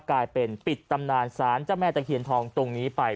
กลายเป็นปิดตำนานสารเจ้าแม่ตะเคียนทองตรงนี้ไป